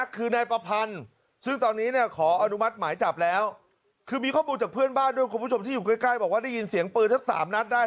คือมีข้อมูลจากเพื่อนบ้านด้วยคุณผู้ชมที่อยู่ใกล้บอกว่าได้ยินเสียงปืนสัก๓นัทได้